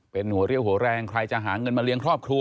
เป็นหัวเรี่ยวหัวแรงใครจะหาเงินมาเลี้ยงครอบครัว